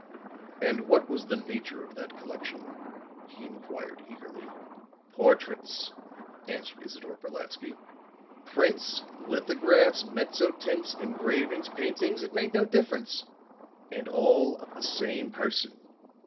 "And what was the nature of that collection?" he inquired eagerly. "Portraits," answered Isidore Brolatsky. "Prints, lithographs, mezzo tints, engravings, paintings, it made no difference. And all of the same person.